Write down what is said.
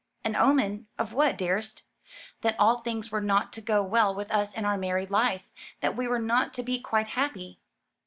"An omen of what, dearest?" "That all things were not to go well with us in our married life; that we were not to be quite happy."